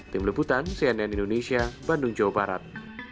tim liputan cnn indonesia bandung jawa barat